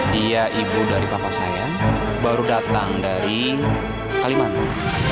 dia ibu dari papa sayang baru datang dari kalimantan